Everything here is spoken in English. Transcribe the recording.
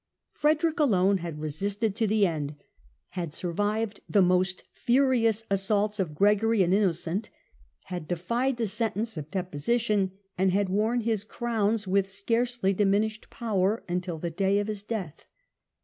Frederick alone had resisted to the end, had survived the most furious assaults of Gregory and Innocent, had defied the sentence of deposition and had worn his crowns with scarcely diminished power until the day of his death.